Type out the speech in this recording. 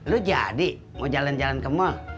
lo jadi mau jalan jalan ke mall